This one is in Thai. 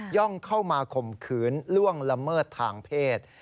่องเข้ามาข่มขืนล่วงละเมิดทางเพศ